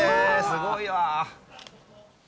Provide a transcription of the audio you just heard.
すごいわ。